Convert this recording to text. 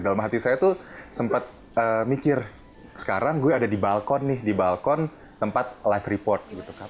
dalam hati saya tuh sempat mikir sekarang gue ada di balkon nih di balkon tempat live report gitu kan